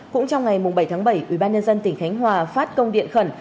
cũng trong ngày bảy tháng bảy ủy ban nhân dân tỉnh khánh hòa phát công điện khẩn